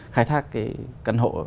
khai thác cái căn hộ